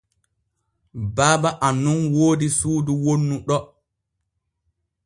Baaba am nun woodi suudu wonnu ɗo.